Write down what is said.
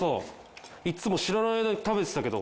いっつも知らない間に食べてたけど。